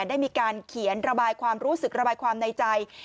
ได้มีการเขียนระบายความรู้สึกระบายความในใจ